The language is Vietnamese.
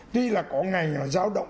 tuy là có ngày là giao động